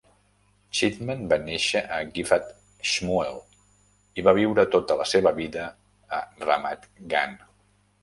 Chitman va néixer a Giv'at Shmuel i va viure tota la seva vida a Ramat Gan.